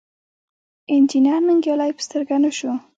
انجنیر ننګیالی په سترګه نه شو.